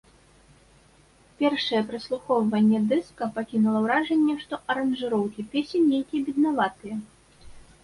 Першае праслухоўванне дыска пакінула ўражанне, што аранжыроўкі песень нейкія беднаватыя.